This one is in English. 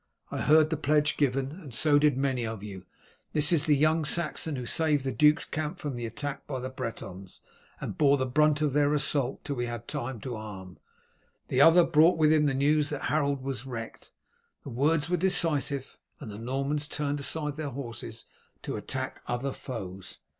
I heard the pledge given, and so did many of you. This is the young Saxon who saved the duke's camp from the attack by the Bretons, and bore the brunt of their assault till we had time to arm. The other brought with him the news that Harold was wrecked." The words were decisive, and the Normans turned aside their horses to attack other foes.